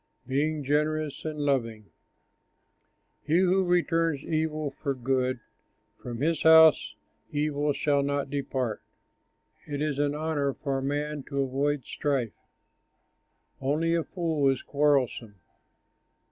BEING GENEROUS AND LOVING He who returns evil for good, From his house evil shall not depart. It is an honor for a man to avoid strife; Only a fool is quarrelsome.